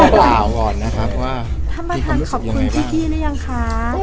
ท่านประธานขอบคุณพี่หรือยังคะ